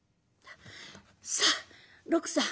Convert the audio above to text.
「さあ六さん。